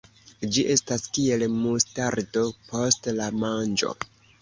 Ĝi estas kiel mustardo post la manĝo.